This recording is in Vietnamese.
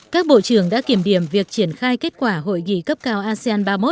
các bộ trưởng đã kiểm điểm việc triển khai kết quả hội nghị cấp cao asean ba mươi một